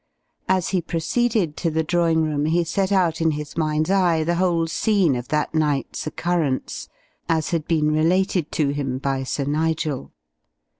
As he proceeded to the drawing room he set out in his mind's eye the whole scene of that night's occurrence as had been related to him by Sir Nigel.